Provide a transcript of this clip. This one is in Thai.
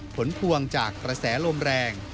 ผลพวงจากกระแสลมแรง